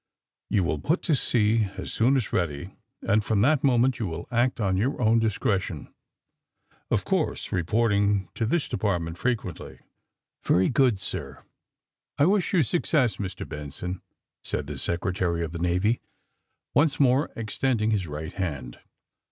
You will pnt to sea as soon as ready, and from that moment you will act on your own discretion, of course reporting to this Department fre quently. " Very good, sir." ^^I wish you success, Mr. Benson!" said the Secretary of the Navy, once more extending his right hand.